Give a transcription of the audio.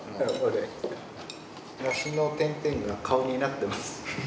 梨の点々が顔になってます。